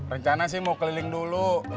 rencana sih mau keliling dulu